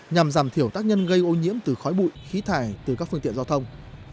nhằm giảm thiểu tác nhân gây ô nhiễm từ khói bụi khí thải từ các phương tiện giao thông